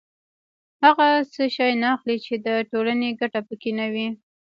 خلک هغه شی نه اخلي چې د ټولنې ګټه پکې نه وي